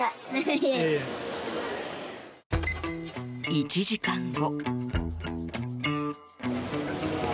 １時間後。